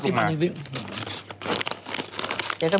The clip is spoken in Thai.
โอเคเดี๋ยวช่วงหน้า